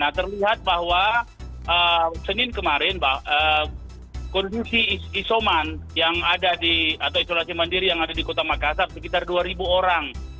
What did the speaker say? nah terlihat bahwa senin kemarin kondisi isoman yang ada di atau isolasi mandiri yang ada di kota makassar sekitar dua orang